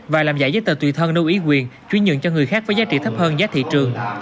và làm giải giấy tờ tùy thân nâu ý quyền chuyến nhượng cho người khác với giá trị thấp hơn giá thị trường